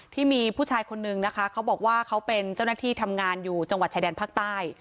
ที่มีผู้ชายคนนึงนะคะเขาบอกว่าเขาเป็นเจ้าหน้าที่ทำงานอยู่จังหวัดชายแดนภาคใต้